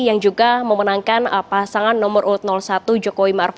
yang juga memenangkan pasangan nomor satu jokowi ma'ruf